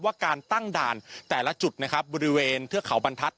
ว่าการตั้งด่านแต่ละจุดนะครับบริเวณเทือกเขาบรรทัศน